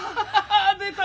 出た。